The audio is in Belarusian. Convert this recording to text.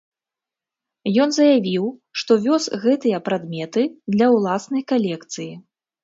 Ён заявіў, што вёз гэтыя прадметы для ўласнай калекцыі.